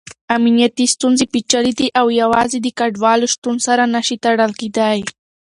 امنیتي ستونزې پېچلې دي او يوازې د کډوالو شتون سره نه شي تړل کېدای.